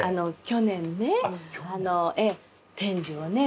去年ね天寿をね